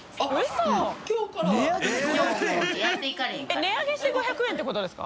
値上げして５００円っていうことですか？